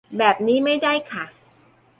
แบบนี้ไม่ได้ค่ะ